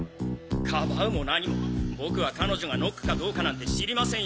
かばうも何も僕は彼女がノックかどうかなんて知りませんよ。